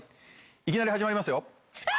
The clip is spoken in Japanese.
いきなり始まりますよ。